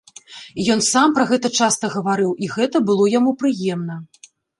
І ён сам пра гэта часта гаварыў, і гэта было яму прыемна.